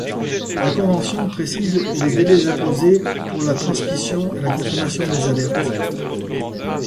La convention précise les délais imposés pour la transmission et la confirmation des alertes.